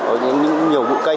ở những nhiều bụi cây